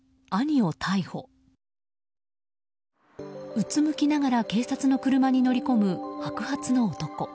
うつむきながら警察の車に乗り込む白髪の男。